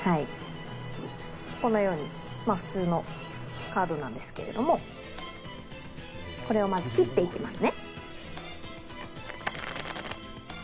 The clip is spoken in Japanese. このように普通のカードなんですけれども、これをまず、切っていきますね。